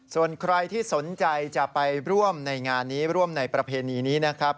ส่วนใครที่สนใจจะไปร่วมในงานนี้ร่วมในประเพณีนี้นะครับ